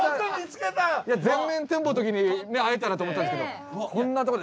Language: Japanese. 前面展望の時に会えたらと思ったんですけどこんなとこで。